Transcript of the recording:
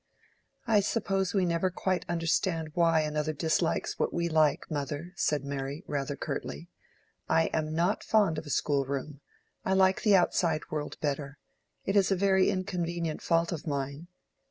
"I suppose we never quite understand why another dislikes what we like, mother," said Mary, rather curtly. "I am not fond of a schoolroom: I like the outside world better. It is a very inconvenient fault of mine."